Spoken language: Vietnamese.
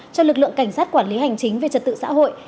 cho lực lượng cảnh sát quản lý hành chính về trật tự xã hội